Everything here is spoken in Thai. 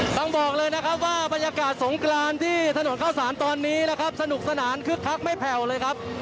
ต้องบอกเลยนะครับว่าบรรยากาศสงกรานที่ถนนข้าวสารตอนนี้นะครับสนุกสนานคึกคักไม่แผ่วเลยครับ